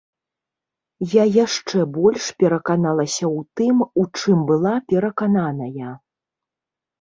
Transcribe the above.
Я яшчэ больш пераканалася ў тым, у чым была перакананая.